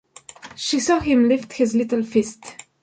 She saw him lift his little fist.